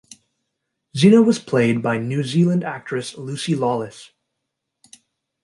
Xena was played by New Zealand actress Lucy Lawless.